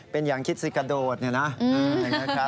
เป็นอย่างคิดสิกระโดดเนี่ยนะ